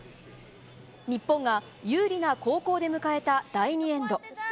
日本が有利な後攻で迎えた第２エンド。